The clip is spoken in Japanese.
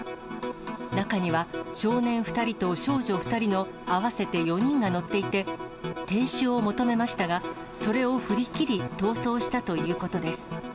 中には少年２人と少女２人の合わせて４人が乗っていて、停止を求めましたが、それを振り切り逃走したということです。